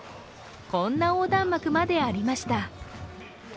こんな横断幕までありました。